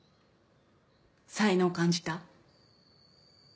才能感じた？